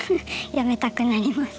やめたくなります。